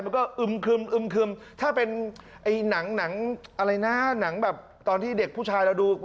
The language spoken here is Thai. มันก็อึมคึมคึมถ้าเป็นไอ้หนังอะไรนะหนังแบบตอนที่เด็กผู้ชายเราดู